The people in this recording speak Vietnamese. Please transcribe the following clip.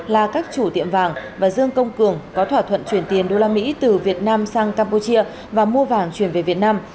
là các chủ tiệm vàng và dương công cường có thỏa thuận chuyển tiền đô la mỹ từ việt nam sang campuchia và mua vàng chuyển về việt nam